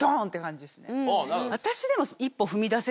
私でも。